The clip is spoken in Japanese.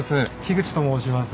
口と申します。